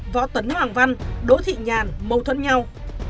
võ tấn hoàng văn đỗ thị nhàn mâu thuẫn nhau